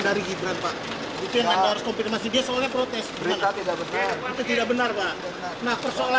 di gibran pak itu yang harus kompetensi dia soalnya protes berita tidak benar benar